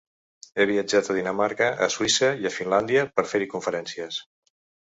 He viatjat a Dinamarca, a Suïssa i a Finlàndia per fer-hi conferències.